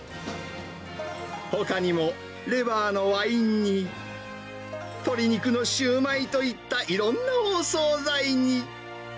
ほかにも、レバーのワイン煮、鶏肉のしゅうまいといったいろんなお総菜に。